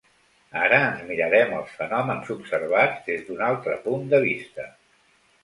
Ara ens mirarem els fenòmens observats des d'un altre punt de vista.